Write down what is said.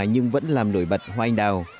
nhưng vẫn làm nổi bật hoa anh đào